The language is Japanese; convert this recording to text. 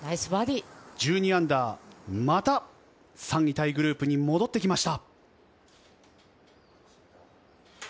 −１２、また３位タイグループに戻ってきました。